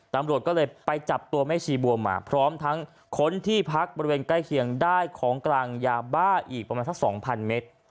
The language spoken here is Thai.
ตำรวจก็เลยไปจับตัวแม่ชีบัวมาพร้อมทั้งค้นที่พักบริเวณใกล้เคียงได้ของกลางยาบ้าอีกประมาณสัก๒๐๐เมตร